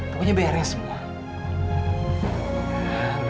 pokoknya beresin semua